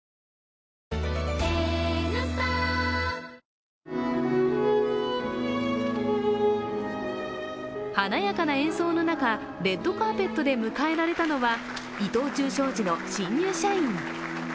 新発売華やかな演奏の中レッドカーペットで迎えられたのは伊藤忠商事の新入社員。